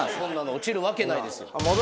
落ちるわけないです。